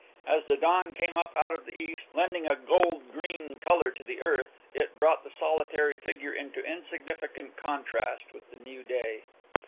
As the dawn came up out of the east, lending a gold green colour to the earth, it brought the solitary figure into insignificant contrast with the new day.